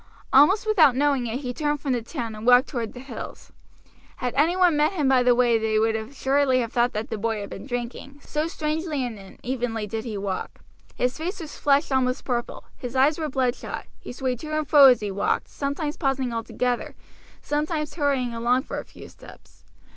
Almost without knowing it he turned from the town and walked toward the hills. Had any one met him by the way they would assuredly have thought that the boy had been drinking, so strangely and unevenly did he walk. His face was flushed almost purple, his eyes were bloodshot; he swayed to and fro as he walked, sometimes pausing altogether, sometimes hurrying along for a few steps.